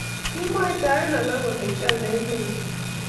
Kimwaitae alak kole kialda emennyi